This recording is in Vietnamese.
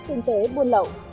kinh tế buôn lậu